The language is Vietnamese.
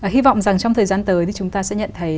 hy vọng rằng trong thời gian tới thì chúng ta sẽ nhận thấy